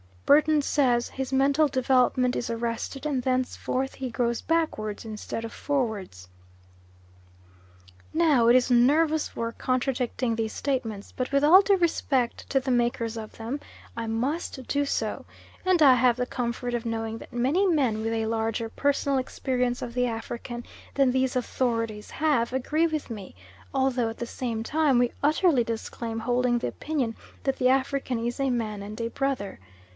Burton says: "His mental development is arrested, and thenceforth he grows backwards instead of forwards." Now it is nervous work contradicting these statements, but with all due respect to the makers of them I must do so, and I have the comfort of knowing that many men with a larger personal experience of the African than these authorities have, agree with me, although at the same time we utterly disclaim holding the opinion that the African is a man and a brother.